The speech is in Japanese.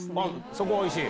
そこおいしい？